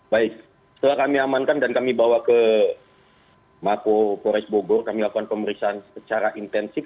baik setelah kami amankan dan kami bawa ke mako polres bogor kami lakukan pemeriksaan secara intensif